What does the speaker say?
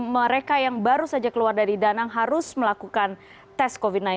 mereka yang baru saja keluar dari danang harus melakukan tes covid sembilan belas